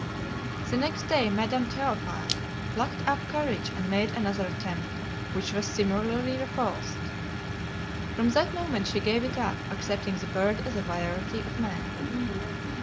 The next day Madame Théophile plucked up courage and made another attempt, which was similarly repulsed. From that moment she gave it up, accepting the bird as a variety of man.